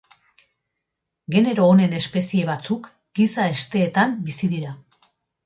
Genero honen espezie batzuk giza hesteetan bizi dira.